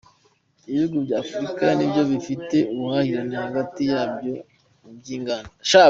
Ibihugu bya Afurika ni byo bifite ubuhahirane hagati yabyo mu by’inganda